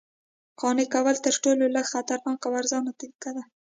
قانع کول تر ټولو لږ خطرناکه او ارزانه طریقه ده